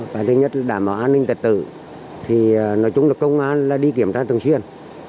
bản thân nhất là đảm bảo an ninh trật tự nói chung là công an đi kiểm tra thường xuyên